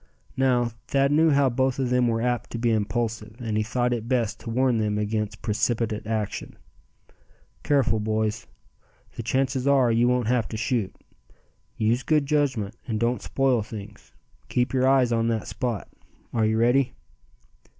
Now, Thad knew how both of them were apt to be impulsive, and he thought it best to warn them against precipitate action. "Careful, boys. The chances are, you won't have to shoot. Use good judgment, and don't spoil things. Keep your eyes on that spot. Are you ready?"